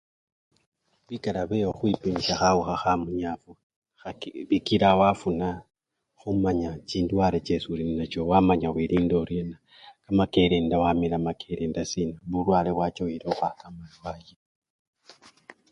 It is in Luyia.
Bikala byekhukhwipimisha khawukha khamunyafu khaki! bikila wafuna khumanya chindwale chesi olininacho wamanya wilinda oryena kamakelenda wamila makelenda siina, bulwale bwachowile khukhwakama wayee!.